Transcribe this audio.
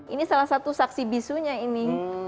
ini salah satu saksi bisunya ini